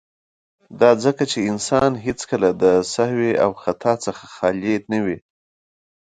، دا ځکه چې انسان هيڅکله د سهو او خطا څخه خالي نه وي.